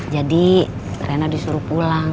jadi rena disuruh pulang